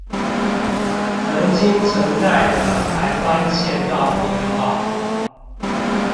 曾經存在的台灣縣道編號